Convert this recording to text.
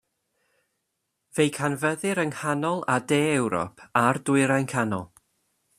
Fe'i canfyddir yng nghanol a de Ewrop a'r Dwyrain canol.